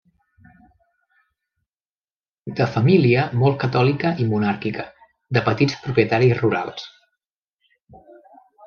De família molt catòlica i monàrquica, de petits propietaris rurals.